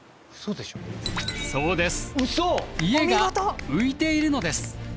そうです家が浮いているのです。